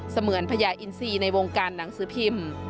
เสมือนพญาอินทรีย์ในวงการหนังสือพิมพ์